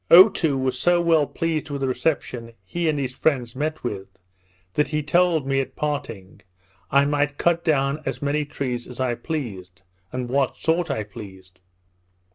Otoo was so well pleased with the reception he and his friends met with, that he told me, at parting, I might cut down as many trees as I pleased, and what sort I pleased.